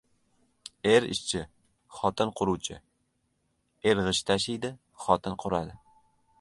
• Er — ishchi, xotin — quruvchi, er g‘isht tashiydi — xotin quradi.